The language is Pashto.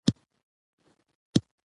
او د سکول ماشومانو غټ امتحان روان وو